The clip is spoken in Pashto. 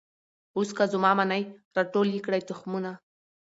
اوس که زما منۍ را ټول یې کړی تخمونه